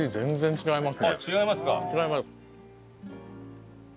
違います。